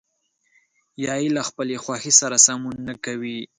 یا يې له خپلې خوښې سره سمون نه کوي.